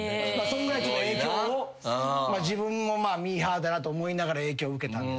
そんぐらい影響を自分もミーハーだなと思いながら影響を受けたんですけど。